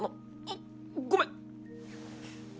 あっごめ。